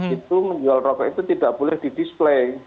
itu menjual rokok itu tidak boleh di display